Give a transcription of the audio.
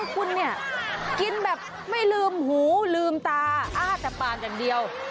คุณเนี่ยกินแบบไม่ลืมหูลืมตาอ้าแต่ปากอย่างเดียว